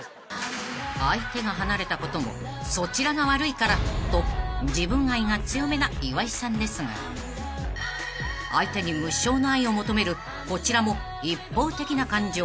［相手が離れたこともそちらが悪いからと自分愛が強めな岩井さんですが相手に無償の愛を求めるこちらも一方的な感情］